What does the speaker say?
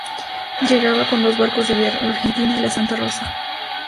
Llegaba con dos barcos de guerra: La Argentina y la Santa Rosa.